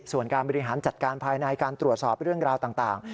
ส่วนการบริหารจัดการภายในการตรวจสอบเรื่องราวต่าง